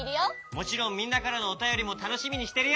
もちろんみんなからのおたよりもたのしみにしてるよ！